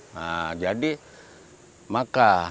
nah jadi maka